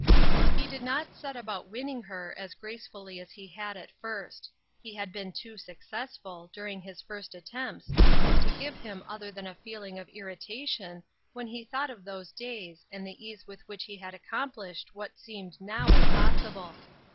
He did not set about winning her as gracefully as he had at first ; he had been too successful, during his first attempts, to give him other than a feeling of irritation when he thought of those days and the ease with which he had accomplished what seemed now impossible.